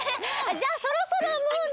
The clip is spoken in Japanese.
じゃあそろそろもうね。